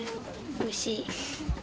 おいしい。